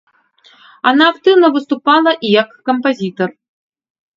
Яна актыўна выступала і як кампазітар.